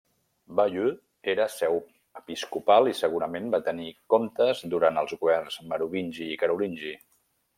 Bayeux era seu episcopal i segurament va tenir comtes durant els governs merovingi i carolingi.